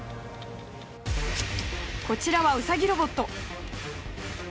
こちらはウサギロボット。